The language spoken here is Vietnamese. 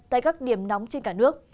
tại các điểm nóng trên cả nước